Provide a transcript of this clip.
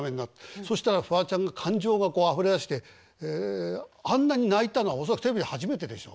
そしたらフワちゃんが感情があふれ出してあんなに泣いたのは恐らくテレビで初めてでしょ？